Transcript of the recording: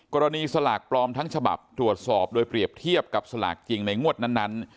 สลากปลอมทั้งฉบับตรวจสอบโดยเปรียบเทียบกับสลากจริงในงวดนั้น